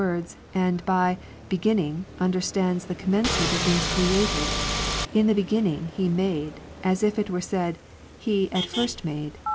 words, and by Beginning understands the commencement —:' of things created ; hi the Beginning He made, as if it were said, He at first made.